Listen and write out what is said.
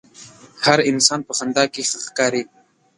هر انسان په خندا کښې ښه ښکاري.